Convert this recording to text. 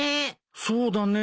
そうだね。